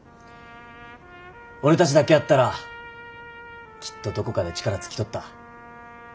俺たちだけやったらきっとどこかで力尽きとった。